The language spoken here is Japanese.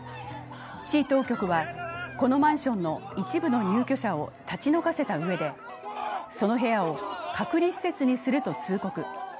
市当局はこのマンションの一部の入居者を立ち退かせたうえでその部屋を隔離施設にすると通告。